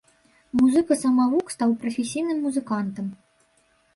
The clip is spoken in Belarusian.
Музыка-самавук стаў прафесійным музыкантам.